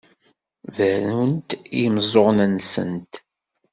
Berrunt i yimeẓẓuɣen-nsent.